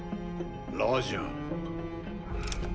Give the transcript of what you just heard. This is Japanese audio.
ラジャン。